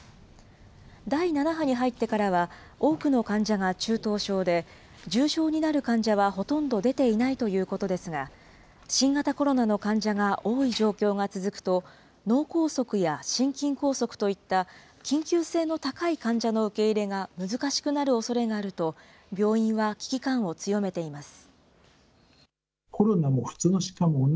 第７波に入ってからは、多くの患者が中等症で、重症になる患者はほとんど出ていないということですが、新型コロナの患者が多い状況が続くと、脳梗塞や心筋梗塞といった、緊急性の高い患者の受け入れが難しくなるおそれがあると、病院は危機感を強めています。